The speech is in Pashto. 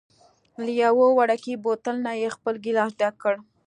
له یوه وړوکي بوتل نه یې خپل ګېلاس ډک کړ.